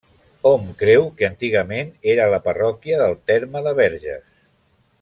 Hom creu que antigament era la parròquia del terme de Verges.